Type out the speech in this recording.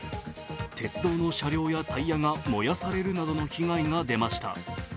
鉄道の車両やタイヤが燃やされるなどの被害が出ました。